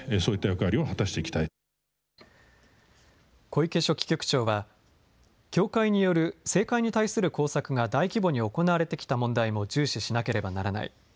小池書記局長は、教会による政界に対する工作が大規模に行われてきた問題も重視しなければならない。